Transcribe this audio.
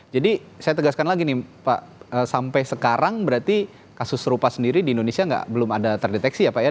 jadi saya tegaskan lagi nih pak sampai sekarang berarti kasus serupa sendiri di indonesia belum ada terdeteksi ya pak ya